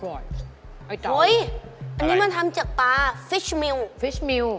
อันนี้มันทำจากปลาฟิชมิล